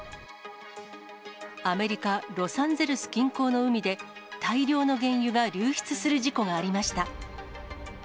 アメリカ・ロサンゼルス近郊の海で、大量の原油が流出する事故がありました。